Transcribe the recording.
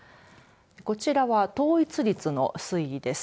こちらは統一率の推移です。